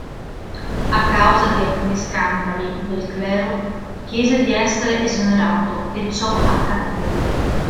A causa di alcuni scandali del clero, chiese di essere esonerato e ciò accadde.